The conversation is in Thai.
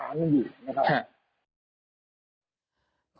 ขางนึงอยู่นะคะ